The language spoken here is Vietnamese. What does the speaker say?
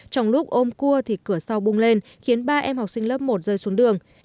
trong lúc ôm cua thì cửa sau bung lên khiến ba em học sinh lớp một rơi xuống đường